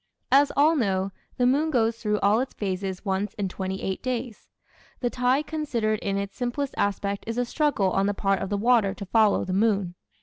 As all know, the moon goes through all its phases once in twenty eight days. The tide considered in its simplest aspect is a struggle on the part of the water to follow the moon.